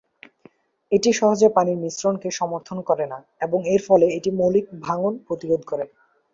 এটি সহজে পানির মিশ্রণকে সমর্থন করে না, এবং এর ফলে এটি মৌলিক ভাঙ্গন প্রতিরোধ করে।